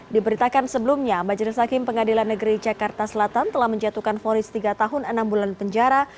diberitakan sebelumnya majelis hakim pengadilan negeri jakarta selatan telah menjatuhkan fonis tiga tahun enam bulan penjara